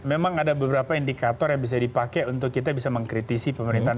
memang ada beberapa indikator yang bisa dipakai untuk kita bisa mengkritisi pemerintahan